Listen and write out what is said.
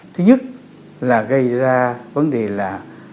thứ nhất là gây ra vấn đề là